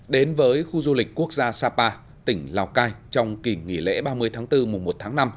đến với khu du lịch quốc gia sapa tỉnh lào cai trong kỳ nghỉ lễ ba mươi tháng bốn mùa một tháng năm